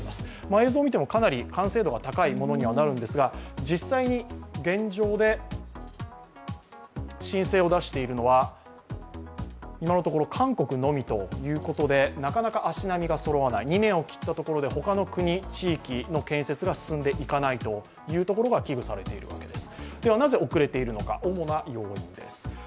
映像見てもかなり完成度が高いものになるんですが実際に現状で申請を出しているのは韓国のみということでなかなか足並みがそろわない、２年を切った中で他の国・地域の建設が進んでいかないというところが危惧されています。